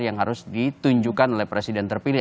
yang harus ditunjukkan oleh presiden terpilih